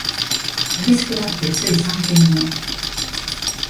嬉しくなってつい三軒目